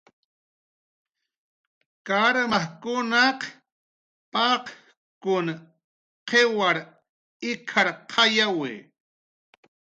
"Karmajkunaq paq""kun qiwar ik""arqayawi"